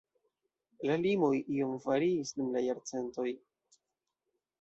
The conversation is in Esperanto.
La limoj iom variis dum la jarcentoj.